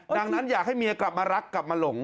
ดังนั้นอยากให้เมียกลับมารักกลับมาหลง